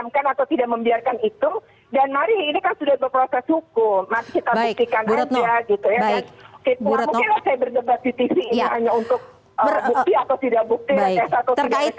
mungkin saya berdebat di tv ini hanya untuk bukti atau tidak bukti